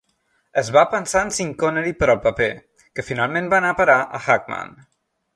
Es va pensar en Sean Connery per al paper, que finalment va anar a parar a Hackman.